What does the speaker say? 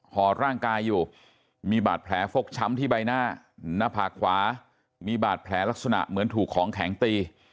ห่อร่างกายอยู่มีบาดแผลฟกช้ำที่ใบหน้าหน้าผากขวามีบาดแผลลักษณะเหมือนถูกของแข็งตี